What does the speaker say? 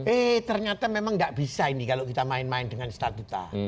eh ternyata memang nggak bisa ini kalau kita main main dengan statuta